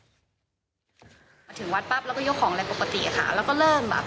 ถึงวัดปั๊บแล้วก็เยอะของอะไรปกติ